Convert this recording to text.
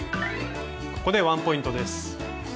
ここでワンポイントです。